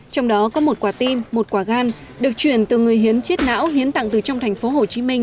trong đó có một quả tim một quả gan được chuyển từ người hiến chết não hiến tặng từ trong thành phố hồ chí minh